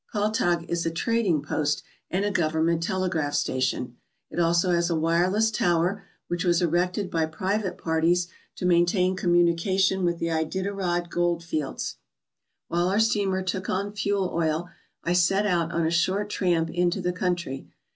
Kaltag is a trading post and a government telegraph station. It also has a wire less tower which was erected by private parties to main tain communication with the Iditarod gold fields. While our steamer took on fuel oil, I set out on a short tramp into the country.